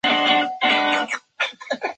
其隐于乡野的动机亦非出于非愤世嫉俗。